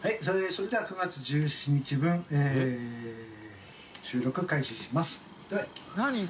それでは９月１７日分・開始しますではいきます。